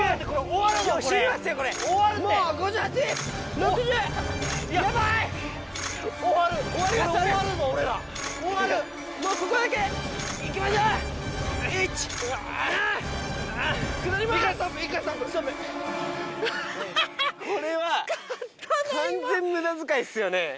これは完全無駄遣いですよね。